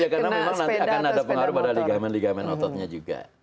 ya karena memang nanti akan ada pengaruh pada ligamen ligamen ototnya juga